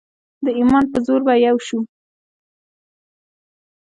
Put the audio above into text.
د ایمان په زور به یو شو.